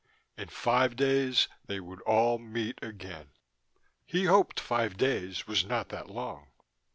In five days they would all meet again. He hoped five days was not too long.